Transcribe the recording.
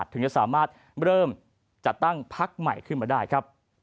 เพื่อที่จะสามารถเริ่มจัดตั้งพักใหม่เพื่อก็ได้ครับ